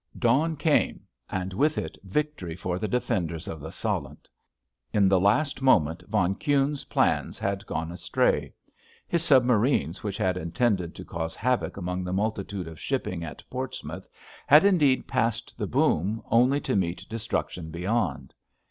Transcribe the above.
Dawn came, and with it victory for the defenders of the Solent. In the last moment von Kuhne's plans had gone astray. His submarines which had intended to cause havoc among the multitude of shipping at Portsmouth had indeed passed the boom, only to meet destruction beyond.